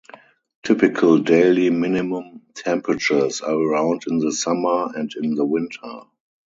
Typical daily minimum temperatures are around in the summer and in the winter.